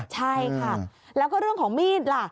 ใช่ค่ะแล้วก็เรื่องของมีดล่ะ